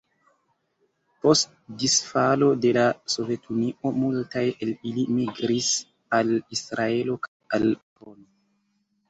Post disfalo de la Sovetunio, multaj el ili migris al Israelo kaj al Usono.